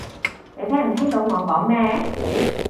你聽唔聽到我講咩？